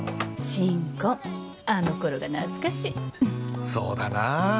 新婚あの頃が懐かしいそうだなあ